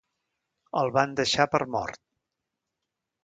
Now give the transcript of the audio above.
El van deixar per mort.